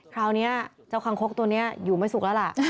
คราวนี้เจ้าคังคกตัวนี้อยู่ไม่สุกแล้วล่ะ